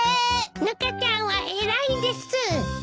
ぬかちゃんは偉いです。